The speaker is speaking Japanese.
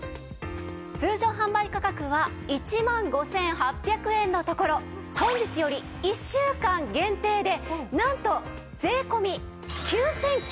通常販売価格は１万５８００円のところ本日より１週間限定でなんと税込９９８０円。